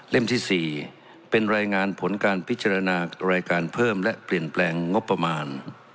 ที่๔เป็นรายงานผลการพิจารณารายการเพิ่มและเปลี่ยนแปลงงบประมาณ